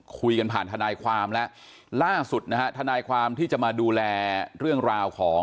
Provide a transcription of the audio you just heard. คุยกันผ่านที่ธัณฑ์ความแล้วล่าสุดที่จะมาดูแลเรื่องราวของ